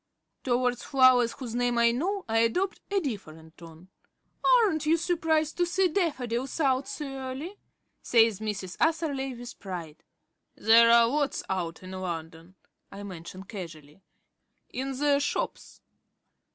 Towards flowers whose names I know I adopt a different tone. "Aren't you surprised to see daffodils out so early?" says Mrs. Atherley with pride. "There are lots out in London," I mention casually. "In the shops."